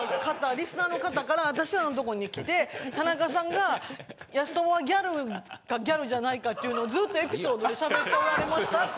リスナーの方から私らのとこに来て田中さんがやすともはギャルかギャルじゃないかっていうのをずっとエピソードでしゃべっておられましたって。